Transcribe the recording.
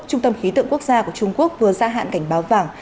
trung tâm khí tượng quốc gia của trung quốc vừa gia hạn cảnh báo vàng